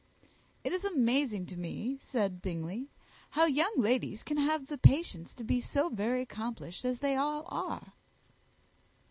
"It is amazing to me," said Bingley, "how young ladies can have patience to be so very accomplished as they all are."